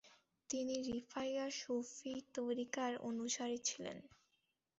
তিনি রিফাইয়া সুফি তরিকার অনুসারী ছিলেন।